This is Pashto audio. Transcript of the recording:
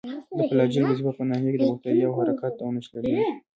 د فلاجیل وظیفه په ناحیه کې د باکتریاوو حرکت او نښلیدل دي.